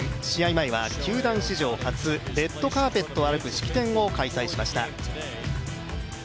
前は球団史上初、レッドカーペットを歩く式典を開催しました。